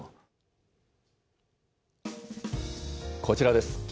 こちらです。